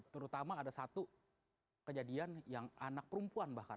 terutama ada satu kejadian yang anak perempuan bahkan